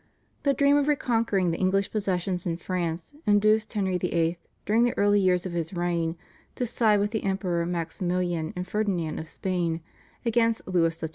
The dream of reconquering the English possessions in France induced Henry VIII., during the early years of his reign, to side with the Emperor Maximilian and Ferdinand of Spain against Louis XII.